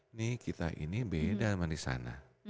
ini kita ini beda sama di sana